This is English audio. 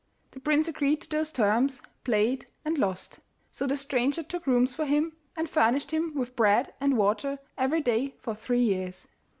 The prince agreed to those terms, played, and lost; so the stranger took rooms for him, and furnished him with bread and water every day for three years.